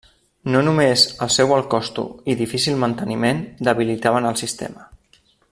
No només el seu alt costo i difícil manteniment debilitaven el sistema.